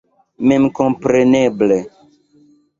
Memkompreneble.